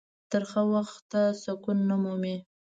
تر هغه وخته سکون نه مومي.